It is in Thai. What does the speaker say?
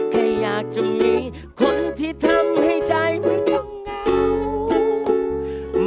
แค่อยากจะมีคนที่ทำให้ใจไม่ต้องเหงา